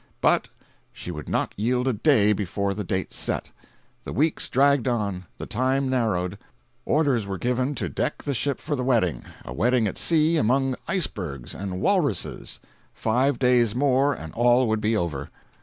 But she would not yield a day before the date set. The weeks dragged on, the time narrowed, orders were given to deck the ship for the wedding—a wedding at sea among icebergs and walruses. Five days more and all would be over.